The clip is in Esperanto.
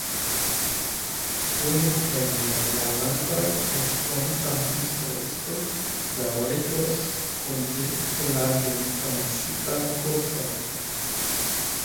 Unu el miaj lernantoj, estonta instruisto, daŭrigos kun vi la de mi komencitan kurson.